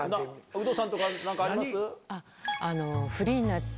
有働さんとか何かあります？